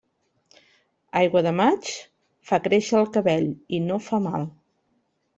Aigua de maig fa créixer el cabell i no fa mal.